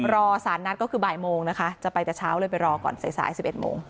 รอสารนัดก็คือบ่ายโมงนะคะจะไปแต่เช้าเลยไปรอก่อนสายสาย๑๑โมง